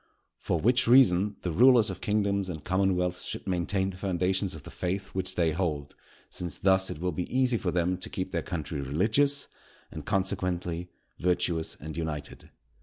For which reason, the rulers of kingdoms and commonwealths should maintain the foundations of the faith which they hold; since thus it will be easy for them to keep their country religious, and, consequently, virtuous and united.